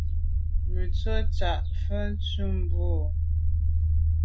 Me tswe’ tsha mfe tu bwe.